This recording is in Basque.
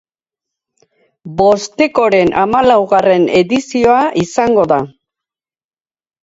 Bostekoren hamalaugarren edizioa izango da.